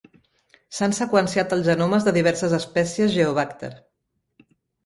S'han seqüenciat els genomes de diverses espècies "Geobàcter".